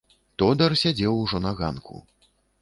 Тодар сядзеў ужо на ганку.